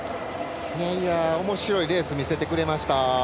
おもしろいレース見せてくれました。